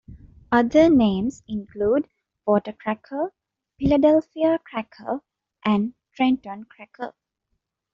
Other names include "water cracker," "Philadelphia cracker," and "Trenton cracker".